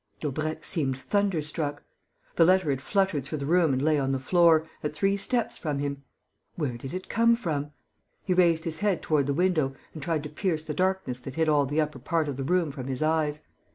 Daubrecq seemed thunderstruck. The letter had fluttered through the room and lay on the floor, at three steps from him. Where did it come from? He raised his head toward the window and tried to pierce the darkness that hid all the upper part of the room from his eyes.